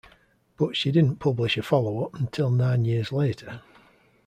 But she didn't publish a follow-up until nine years later.